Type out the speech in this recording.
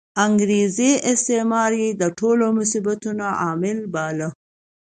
انګریزي استعمار یې د ټولو مصیبتونو عامل باله.